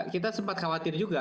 kita sempat khawatir juga